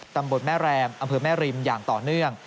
ตำบลแม่แรมอำเภอแม่ริมอย่างต่อเนื่อง